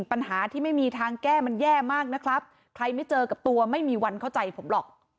ปัญหาที่ไม่มีทางแก้มันแย่มากนะครับใครไม่เจอกับตัวไม่มีวันเข้าใจผมหรอก